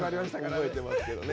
覚えてますけどね。